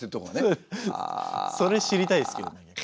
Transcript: それ知りたいですけどね。